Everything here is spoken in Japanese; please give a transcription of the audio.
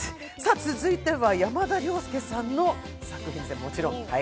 続いては、山田涼介さんの作品です。